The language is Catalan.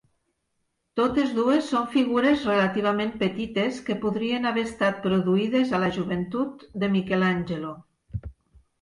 Totes dues són figures relativament petites que podrien haver estat produïdes a la joventut de Michelangelo.